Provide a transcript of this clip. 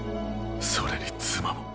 それに妻も。